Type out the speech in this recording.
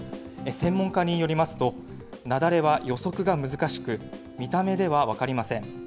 専門家によりますと、雪崩は予測が難しく、見た目では分かりません。